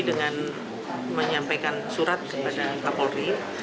dengan menyampaikan surat kepada kapolri